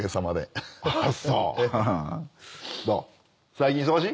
最近忙しい？